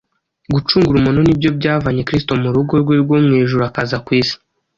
Gucungura umuntu nibyo byavanye Kristo mu rugo rwe rwo mu ijuru akaza ku isi